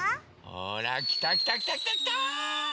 ほらきたきたきたきたきた！